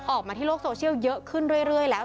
ออกมาที่โลกโซเชียลเยอะขึ้นเรื่อยแล้ว